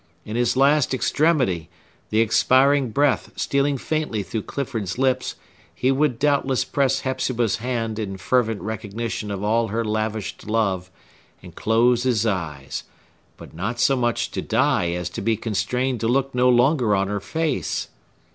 In his last extremity, the expiring breath stealing faintly through Clifford's lips, he would doubtless press Hepzibah's hand, in fervent recognition of all her lavished love, and close his eyes,—but not so much to die, as to be constrained to look no longer on her face!